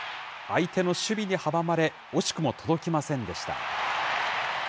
相手の守備に阻まれ、惜しくも届きませんでした。